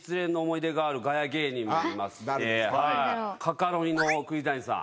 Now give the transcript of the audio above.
カカロニの栗谷さん。